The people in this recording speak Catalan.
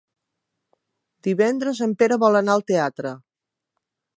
Divendres en Pere vol anar al teatre.